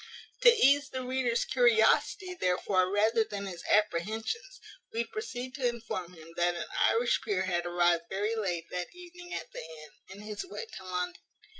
To ease the reader's curiosity, therefore, rather than his apprehensions, we proceed to inform him that an Irish peer had arrived very late that evening at the inn, in his way to London.